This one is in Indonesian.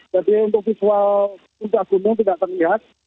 jadi untuk visual puncak gunung tidak terlihat